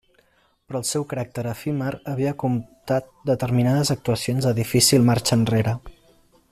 Però el seu caràcter efímer havia comportat determinades actuacions de difícil marxa enrere.